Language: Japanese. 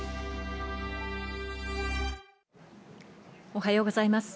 おはようございます。